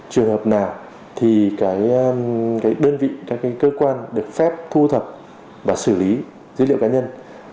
trường hợp nào thì cái đơn vị các cái cơ quan được phép thu thập và xử lý dữ liệu cá nhân